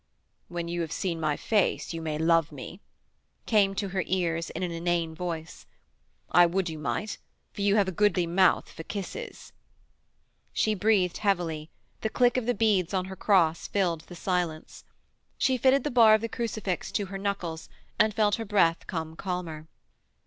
'When you have seen my face, you may love me,' came to her ears in an inane voice. 'I would you might, for you have a goodly mouth for kisses.' She breathed heavily; the click of the beads on her cross filled the silence. She fitted the bar of the crucifix to her knuckles and felt her breath come calmer.